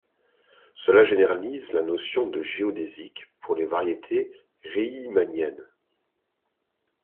Cela généralise la notion de géodésique pour les variétés riemanniennes.